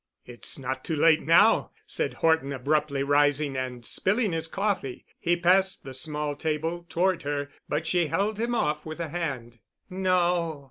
"It's not too late now," said Horton, abruptly rising and spilling his coffee. He passed the small table toward her but she held him off with a hand. "No.